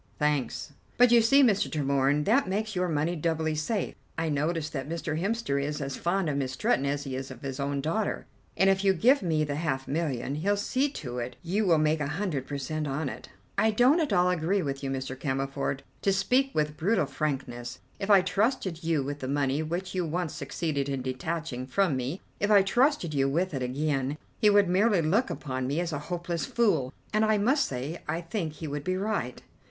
"Thanks!" "But you see, Mr. Tremorne, that makes your money doubly safe. I noticed that Mr. Hemster is as fond of Miss Stretton as he is of his own daughter, and if you give me the half million, he'll see to it that you make a hundred per cent on it." "I don't at all agree with you, Mr. Cammerford. To speak with brutal frankness, if I trusted you with the money which you once succeeded in detaching from me, if I trusted you with it again, he would merely look upon me as a hopeless fool, and I must say I think he would be right."